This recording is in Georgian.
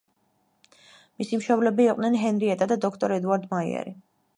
მისი მშობლები იყვნენ ჰენრიეტა და დოქტორ ედუარდ მაიერი.